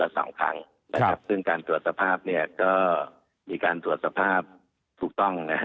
ซึ่งการตรวจสภาพก็มีการตรวจสภาพถูกต้อง